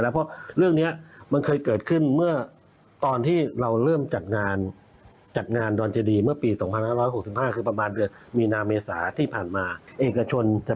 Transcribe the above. เป็นแฟนคลับด้วยครับด้วยซ้ำนะคะ